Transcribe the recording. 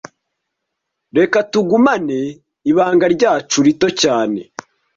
Reka tugumane ibanga ryacu rito cyane